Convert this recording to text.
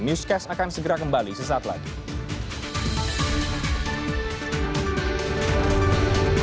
newscast akan segera kembali sesaat lagi